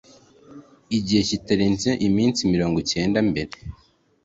igihe kitarenze iminsi mirongo icyenda mbere